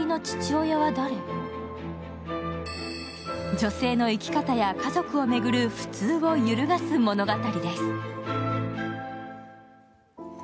女性の生き方や家族を巡る普通を揺るがす物語です。